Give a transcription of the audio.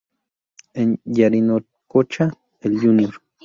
En Yarinacocha el jr.